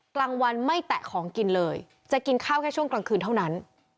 กลางวันไม่แตะของกินเลยจะกินข้าวแค่ช่วงกลางคืนเท่านั้น